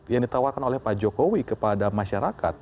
yang ditawarkan oleh pak jokowi kepada masyarakat